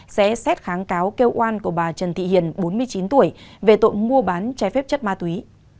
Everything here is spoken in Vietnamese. sẽ xét kháng cáo kêu oan của bà trần thị hiền bốn mươi chín tuổi về tội mua bán trái phép chất ma túy